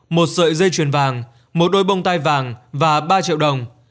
một sợi dây chuyền vàng một đôi bông tai vàng và ba triệu đồng